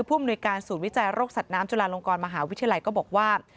อำนวยการศูนย์วิจัยโรคสัตว์น้ำจุลาลงกรมหาวิทยาลัยก็บอกว่า